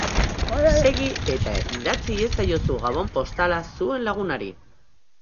Segi eta idatzi iezaiozu gabon postala zuen lagunari!